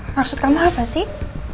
maksud kamu apa sih